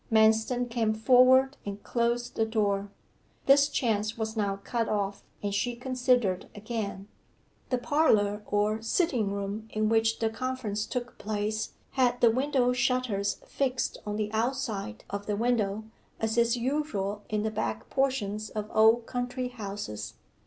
Manston came forward and closed the door. This chance was now cut off, and she considered again. The parlour, or sitting room, in which the conference took place, had the window shutters fixed on the outside of the window, as is usual in the back portions of old country houses.